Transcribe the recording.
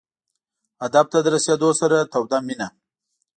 هدف ته د رسېدو سره توده مینه.